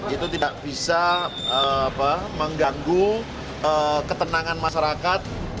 itu tidak bisa mengganggu ketenangan masyarakat